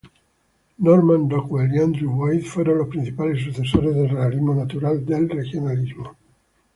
Norman Rockwell y Andrew Wyeth fueron los principales sucesores del realismo natural del regionalismo.